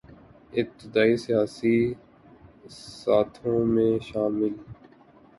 ابتدائی سیاسی ساتھیوں میں شامل